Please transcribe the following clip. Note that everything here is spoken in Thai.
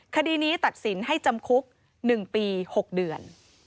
คดีนี้ตัดสินให้จำคุก๑ปี๖เดือน